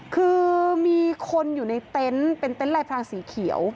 คือมีคนอยู่ในเต็นต์เป็นเต็นต์ลายพรางสีเขียว